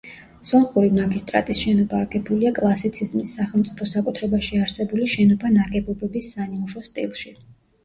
სომხური მაგისტრატის შენობა აგებულია კლასიციზმის, სახელმწიფო საკუთრებაში არსებული შენობა-ნაგებობების „სანიმუშო სტილში“.